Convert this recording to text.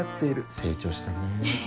成長したねぇ。